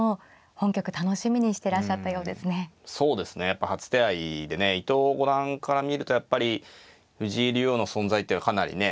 やっぱ初手合いでね伊藤五段から見るとやっぱり藤井竜王の存在っていうのはかなりね。